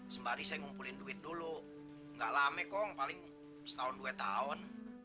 sembari saya ngumpulin duit dulu enggak lama kong paling setahun dua tahun